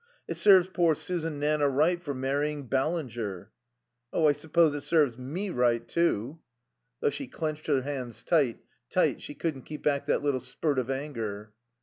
"It serves poor Susan Nanna right for marrying Ballinger." "Oh I suppose it serves me right, too " Though she clenched her hands tight, tight, she couldn't keep back that little spurt of anger.